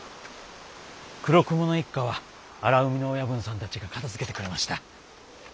黒雲の一家は荒海の親分さんたちが片づけてくれました。